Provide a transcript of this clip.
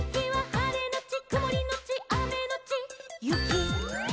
「はれのちくもりのちあめのちゆき」